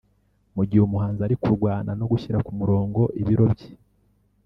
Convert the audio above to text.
Mu gihe uyu muhanzi ari kurwana no gushyira kumurongo ibiro bye